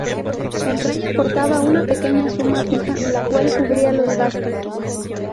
El rey aportaba una pequeña suma fija, la cual cubría los gastos.